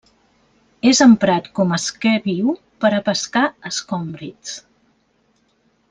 És emprat com a esquer viu per a pescar escòmbrids.